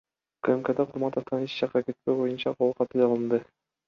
УКМКда Кулматовдон эч жакка кетпөө боюнча кол каты алынды.